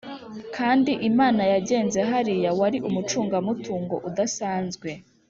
kandi imana yagenze hariya wari umucungamutungo udasanzwe